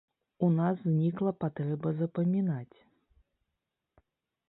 У нас знікла патрэба запамінаць.